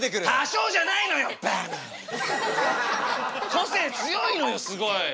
個性強いのよすごい。